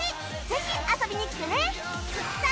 ぜひ遊びに来てね